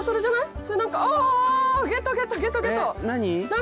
何？